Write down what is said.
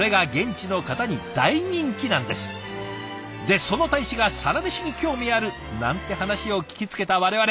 でその大使が「サラメシ」に興味あるなんて話を聞きつけた我々。